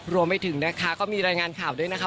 รวมไปถึงนะคะก็มีรายงานข่าวด้วยนะคะ